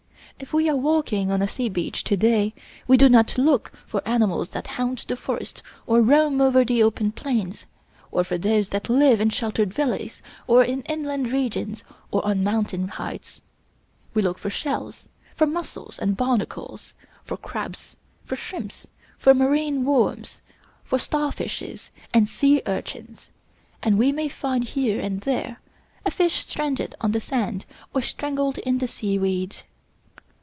If we are walking on a sea beach to day, we do not look for animals that haunt the forests or roam over the open plains, or for those that live in sheltered valleys or in inland regions or on mountain heights. We look for Shells, for Mussels and Barnacles, for Crabs, for Shrimps, for Marine Worms, for Star Fishes and Sea Urchins, and we may find here and there a fish stranded on the sand or strangled in the sea weed.